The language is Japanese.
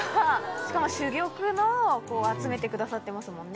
しかも珠玉のをこう集めてくださってますもんね。